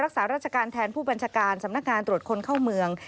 รักษาราชการแทนผู้บัญชาการสำนักงานตรวจคนเข้าเมือง